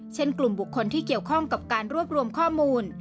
เช่นกลุ่มบุคคลที่เกี่ยวข้องกับการรวบรวมข้อมูล